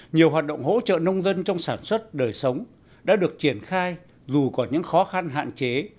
nhiều hoạt động hỗ trợ nông dân trong sản xuất đời sống đã được triển khai dù có những khó khăn hạn chế